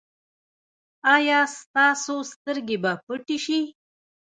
ایا ستاسو سترګې به پټې شي؟